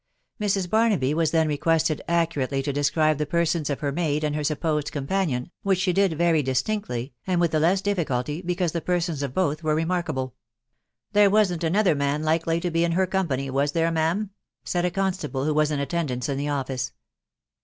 Mrs. Barnaby was then requeste! accurately to describe the persons of her maid and her supposai companion, which she did very distinctly, and with the lav difficulty, because the persons of both were reraarkahkk " There wasn't another man likely ta be in her oonipap^, was there, ma'am ?" said a constable who we* in attnassnrs in the office.